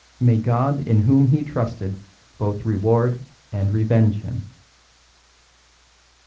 May God in Whom he Trusted both Reward and Revenge him."